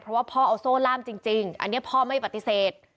เพราะว่าพ่อเอาโซ่ล่ามจริงอันนี้พ่อไม่ปฏิเสธ